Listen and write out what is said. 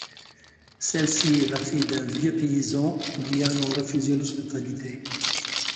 Celle-ci est la fille d'un vieux paysan lui ayant refusé l'hospitalité.